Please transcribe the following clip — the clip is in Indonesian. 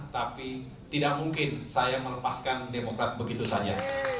tapi tidak mungkin saya melepaskan demokrat begitu saja